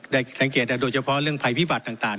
สังเกตโดยเฉพาะเรื่องภัยพิบัติต่าง